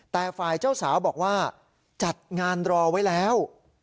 แต่ฝ่ายเจ้าสาวบอกว่าจัดงานรอไว้แล้ว